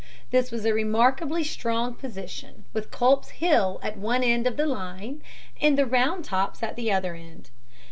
This was a remarkably strong position, with Culp's Hill at one end of the line and the Round Tops at the other end.